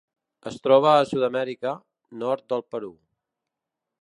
Es troba a Sud-amèrica: nord del Perú.